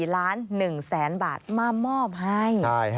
๔ล้าน๑แสนบาทมามอบให้